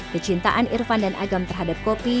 kecintaan irfan dan agam terhadap kopi